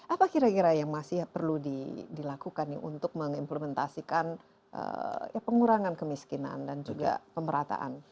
apa kira kira yang masih perlu dilakukan untuk mengimplementasikan ya pengurangan kemiskinan dan juga pemerataan